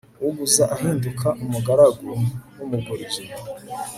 uguza ahinduka umugaragu w'umugurije